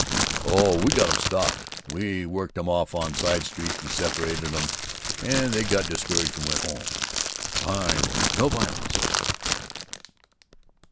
"Oh, we got 'em stopped. We worked 'em off on side streets and separated 'em and they got discouraged and went home." "Fine work. No violence."